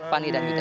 fani dan wida